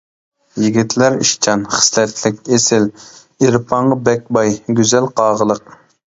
يىگىتلەر ئىشچان، خىسلەتلىك، ئېسىل، ئېرپانغا بەك باي، گۈزەل قاغىلىق.